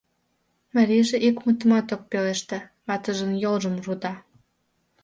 Марийже ик мутымат ок пелеште, ватыжын йолжым руда.